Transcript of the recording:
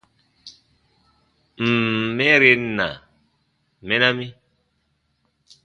Ǹ n mɛren na, mɛna mi.